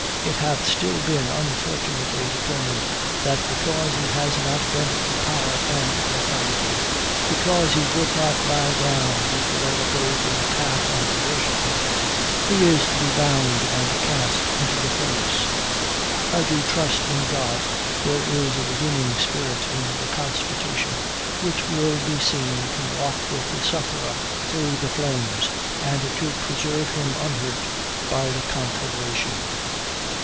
it hath still been unfortunately determined, that because he has not bent to power and authority, because he would not bow down before the golden calf and worship it, he is to be bound and cast into the furnace, I do trust in God there is a redeeming spirit in the constitution, which will be seen to walk with the sufferer through the flames, and to preserve him unhurt by the conflagration."